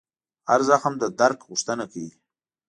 هر زخم د درک غوښتنه کوي.